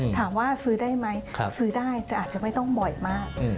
ถามว่าซื้อได้ไหมซื้อได้แต่อาจจะไม่ต้องบ่อยมาก